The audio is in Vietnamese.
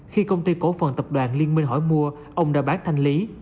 khi công ty cổ phần tập đoàn liên minh hỏi mua ông đã bán thanh lý